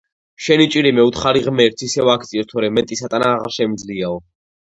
შენი ჭირიმე, უთხარი ღმერთს, ისევ აგწიოს, თორემ მეტის ატანა აღარ შემიძლიაო.